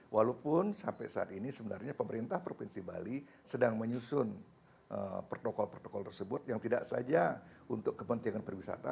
walaupun sampai saat ini sebenarnya pemerintah provinsi bali sedang menyusun protokol protokol tersebut yang tidak saja untuk kepentingan pariwisata